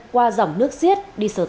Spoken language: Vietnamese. qua dòng nước xiết đi sơ tán